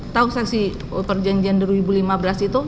tahu sesi perjanjian dua ribu lima belas itu